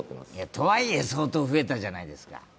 とはいえ、相当増えたじゃないですか。